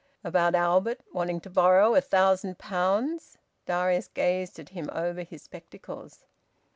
"About Albert wanting to borrow a thousand pounds?" Darius gazed at him over his spectacles.